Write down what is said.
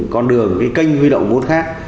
con đường cái kênh huy động vốn khác